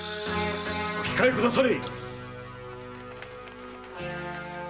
お控えくだされ。